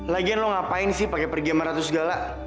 lagian lo ngapain sih pake pergi sama ratu segala